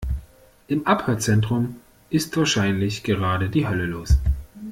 Im Abhörzentrum ist wahrscheinlich gerade die Hölle los.